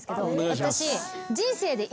私。